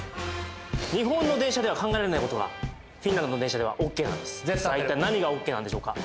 日本の電車では考えられないことがフィンランドの電車ではＯＫなんですさあいったい何がＯＫなんでしょうか？